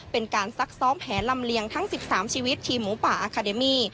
เป็นการซักซ้อมแผนลำเลียงทั้ง๑๓ชีวิตที่หมูป่าอาคาเดมี